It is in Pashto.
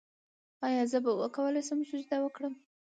ایا زه به وکولی شم سجده وکړم؟